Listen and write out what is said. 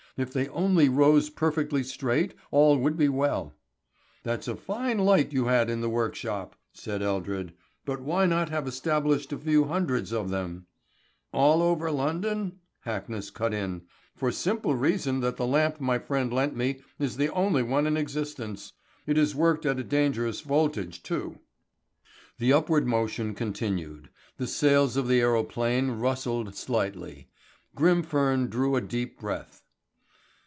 If they only rose perfectly straight all would be well. "That's a fine light you had in the workshop," said Eldred. "But why not have established a few hundreds of them " "All over London," Hackness cut in. "For the simple reason that the lamp my friend lent me is the only one in existence. It is worked at a dangerous voltage too." The upward motion continued. The sails of the aerophane rustled slightly. Grimfern drew a deep breath.